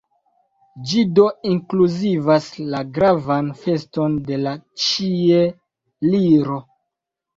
Ĝi do inkluzivas la gravan feston de la Ĉieliro.